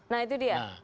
nah itu dia